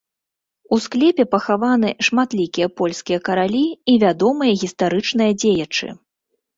У склепе пахаваны шматлікія польскія каралі і вядомыя гістарычныя дзеячы.